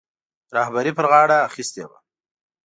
رهبري پر غاړه اخیستې وه.